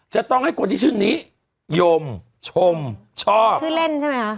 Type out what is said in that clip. จะต้องให้คนที่ชื่อนิยมชมชอบชื่อเล่นใช่ไหมคะ